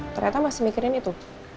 ternyata masih mikirin itu